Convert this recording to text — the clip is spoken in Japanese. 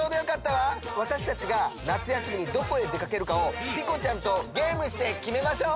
わたしたちが夏休みにどこへでかけるかをピコちゃんとゲームしてきめましょう！